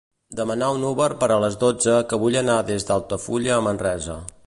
Demana un Uber per a les dotze que vull anar des d'Altafulla a Manresa.